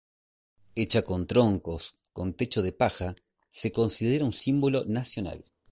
Hecha con troncos, con techo de paja, se considera un símbolo nacional.